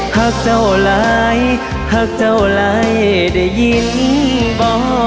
หักเจ้าหลายหักเจ้าหลายได้ยินบ่